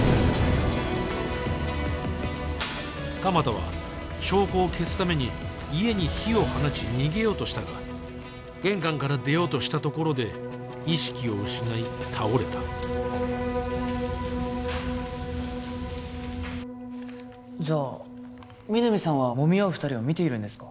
鎌田は証拠を消すために家に火を放ち逃げようとしたが玄関から出ようとしたところで意識を失い倒れたじゃあ皆実さんはもみ合う二人は見ているんですか？